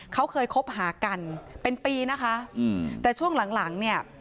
เขาเคยคบหากันเป็นปีนะคะอืมแต่ช่วงหลังหลังเนี่ย